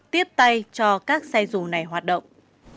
tiếp tay cho các xe dù này hoạt động